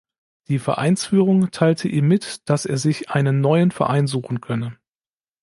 Die Vereinsführung teilte ihm mit, dass er sich einen neuen Verein suchen könne.